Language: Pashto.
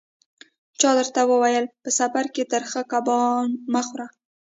چا درته ویل: په سفر کې ترخه کبابونه مه خوره.